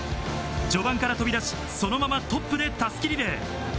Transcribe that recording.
序盤から飛び出し、そのままトップで襷リレー。